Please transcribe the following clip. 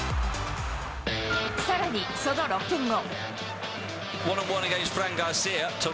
さらにその６分後。